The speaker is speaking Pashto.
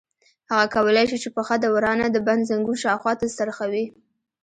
هغه کولای شي چې پښه د ورانه د بند زنګون شاوخوا ته څرخوي.